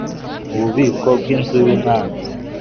Mu Bubiko Bw Inzu Y Umwami